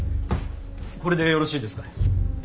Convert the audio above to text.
これでよろしいですか。